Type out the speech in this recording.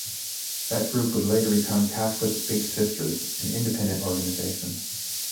That group would later become Catholic Big Sisters, an independent organization.